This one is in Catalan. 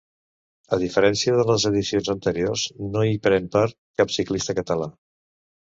A diferència de les edicions anteriors no hi pren part cap ciclista català.